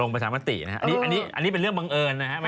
ประชามตินะครับอันนี้เป็นเรื่องบังเอิญนะครับ